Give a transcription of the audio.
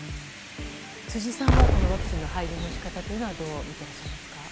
辻さんはワクチンの配分の仕方というのはどう見てらっしゃいますか？